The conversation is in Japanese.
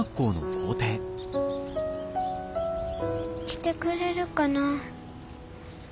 来てくれるかな。